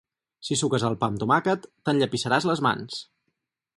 Si suques el pa amb tomàquet t'enllepissaràs les mans.